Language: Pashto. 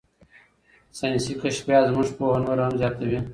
ساینسي کشفیات زموږ پوهه نوره هم زیاتوي.